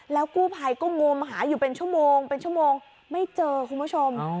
แล้วกู้ไพยก็งมหาอยู่เป็นชั่วโมงไม่เจอคุณผู้ชม